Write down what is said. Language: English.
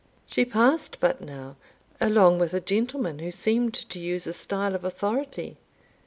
She passed but now, along with a gentleman who seemed to use a style of authority."